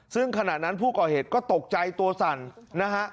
ซึ่งขณะนั้นผู้ก่อเหตุก็ตกใจตัวสั่นนะฮะ